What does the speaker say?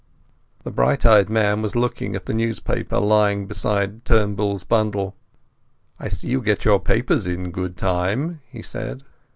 The bright eyed man was looking at the newspaper lying beside Turnbull's bundle. "I see you get your papers in good time," he said.